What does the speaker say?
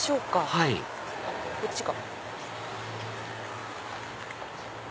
はいこっちか。